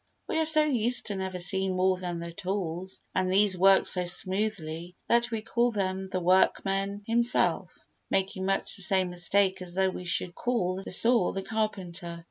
We are so used to never seeing more than the tools, and these work so smoothly, that we call them the workman himself, making much the same mistake as though we should call the saw the carpenter.